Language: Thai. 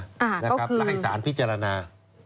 หลายสารพิจารณา